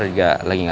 dia lagi gak datang